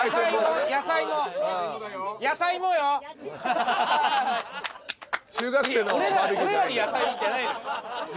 俺らに野菜じゃないのよ。